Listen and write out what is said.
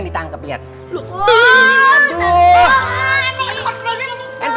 aku tangkep tangannya